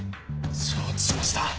承知しました。